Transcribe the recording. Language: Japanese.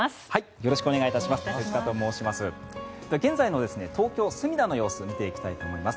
よろしくお願いします。